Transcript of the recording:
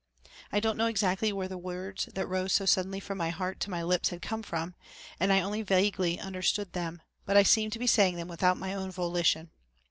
I didn't know exactly where the words that rose so suddenly from my heart to my lips had come from, and I only vaguely understood them, but I seemed to be saying them without my own volition.